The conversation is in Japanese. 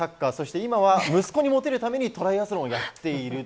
今は息子にモテるためにトライアスロンをやっている。